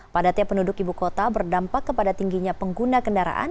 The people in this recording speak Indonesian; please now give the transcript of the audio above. padatnya penduduk ibu kota berdampak kepada tingginya pengguna kendaraan